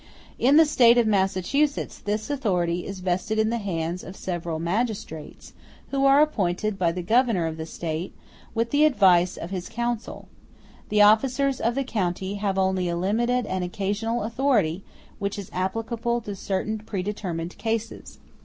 In the State of Massachusetts this authority is vested in the hands of several magistrates, who are appointed by the Governor of the State, with the advice *g of his council. *h The officers of the county have only a limited and occasional authority, which is applicable to certain predetermined cases.